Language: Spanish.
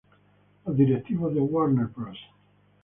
Los directivos de Warner Bros.